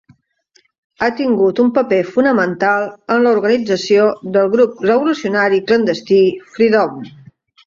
Ha tingut un paper fonamental en l'organització del grup revolucionari clandestí, Freedom.